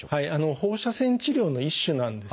放射線治療の一種なんですね。